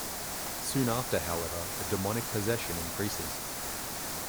Soon after, however, the demonic possession increases.